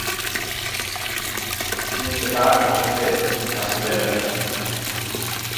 "Non se dá a coñecer", asevera Viso.